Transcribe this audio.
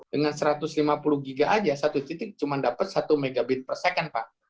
dengan satu ratus lima puluh giga aja satu titik cuma dapat satu mbt per second pak